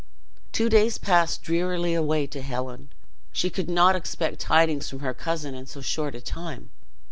Two days passed drearily away to Helen. She could not expect tidings from her cousin in so short a time.